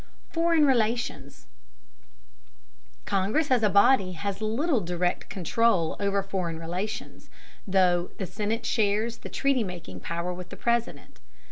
Foreign relations. Congress as a body has little direct control over foreign relations, though the Senate shares the treaty making power with the President.